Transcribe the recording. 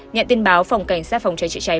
nhận tin báo phòng cảnh sát phòng cháy chữa cháy